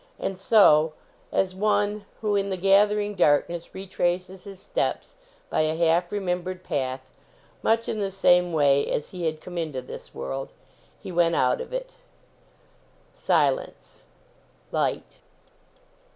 And so, as one who in the gathering darkness retraces his steps by a half remembered path, much in the same wax as he had come into this world, he went out of it. Silence. Light.